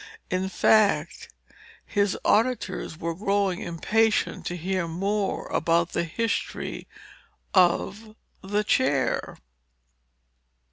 In fact, his auditors were growing impatient to hear more about the history of the chair.